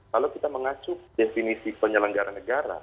lalu kita mengacu definisi penyelenggaran negara